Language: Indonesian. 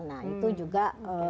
nah itu juga